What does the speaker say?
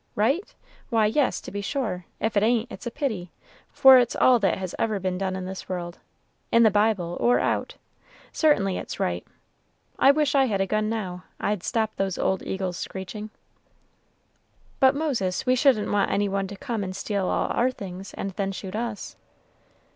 "Right? why, yes, to be sure; if it ain't, it's a pity; for it's all that has ever been done in this world. In the Bible, or out, certainly it's right. I wish I had a gun now, I'd stop those old eagles' screeching." "But, Moses, we shouldn't want any one to come and steal all our things, and then shoot us."